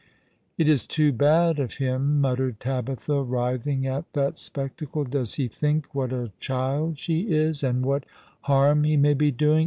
"It is too bad of him/' muttered Tabitha, writhing at tbat spectacle. "Does he think what a child she is, and what barm he may be doing